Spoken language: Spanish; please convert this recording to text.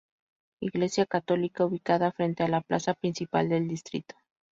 Iglesia Católica, ubicada frente a la Plaza Principal del Distrito.